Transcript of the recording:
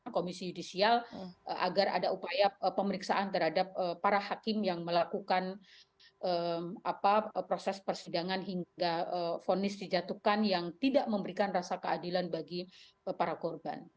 komisi yudisial agar ada upaya pemeriksaan terhadap para hakim yang melakukan proses persidangan hingga fonis dijatuhkan yang tidak memberikan rasa keadilan bagi para korban